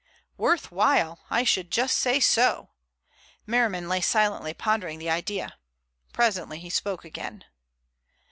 "Worth while? I should just say so." Merriman lay silently pondering the idea. Presently he spoke again.